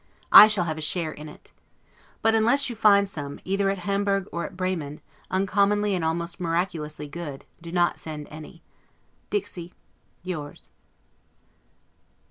I shall have a share in it. But unless you find some, either at Hamburg or at Bremen, uncommonly and almost miracuously good, do not send any. Dixi. Yours.